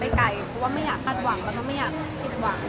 ไกลเพราะว่าไม่อยากคาดหวังแล้วก็ไม่อยากผิดหวัง